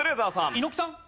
猪木さん？